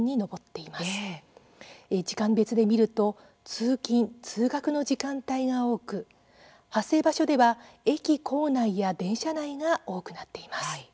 時間別で見ると通勤、通学の時間帯が多く発生場所では駅構内や電車内が多くなっています。